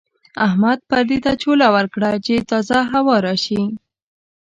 احمد پردې ته چوله ورکړه چې تازه هوا راشي.